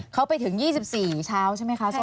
เขาไปถึง๒๔เช้าใช่ไหมคะ